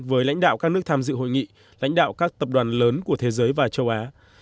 với lãnh đạo các nước tham dự hội nghị lãnh đạo các tập đoàn lớn của thế giới và châu á